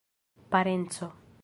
parenco